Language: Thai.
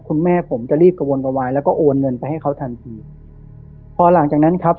คุณแม่ผมจะรีบกระวนกระวายแล้วก็โอนเงินไปให้เขาทันทีพอหลังจากนั้นครับ